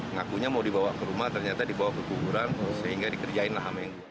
ngakunya mau dibawa ke rumah ternyata dibawa ke kuburan sehingga dikerjain lah sama yang